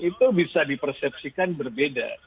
itu bisa di persepsikan berbeda